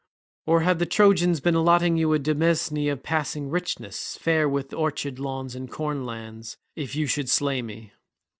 Or have the Trojans been allotting you a demesne of passing richness, fair with orchard lawns and corn lands, if you should slay me?